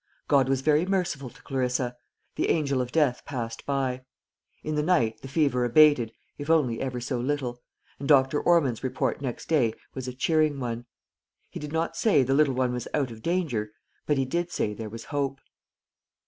God was very merciful to Clarissa; the angel of death passed by. In the night the fever abated, if only ever so little; and Dr. Ormond's report next day was a cheering one. He did not say the little one was out of danger; but he did say there was hope.